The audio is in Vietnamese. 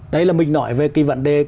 đấy là mình nói về cái vận đề